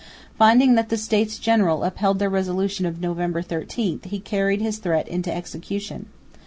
Finding that the States General upheld their resolution of November 13, he carried his threat into execution.